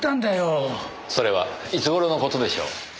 それはいつ頃の事でしょう？